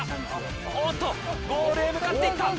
おっと、ゴールへ向かっていく。